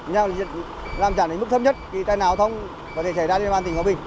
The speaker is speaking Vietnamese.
nhằm làm trả lời mức thấp nhất khi tài nạn giao thông có thể xảy ra lên công an tỉnh quảng bình